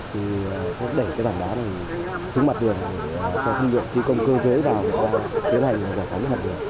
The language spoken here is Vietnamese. thì đẩy cái vòng đá này xuống mặt vườn cho thi công cơ giới vào và tiến hành giải phóng mặt vườn